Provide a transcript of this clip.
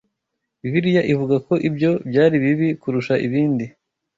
Bibiliya ivuga ko ibyo byari bibi kurusha ibindi